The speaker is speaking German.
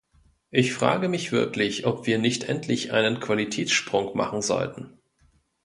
Ich frage mich wirklich, ob wir nicht endlich einen Qualitätssprung machen sollten.